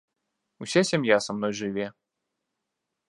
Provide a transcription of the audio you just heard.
Уся сям'я са мной жыве.